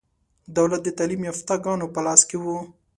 دولت د تعلیم یافته ګانو په لاس کې و.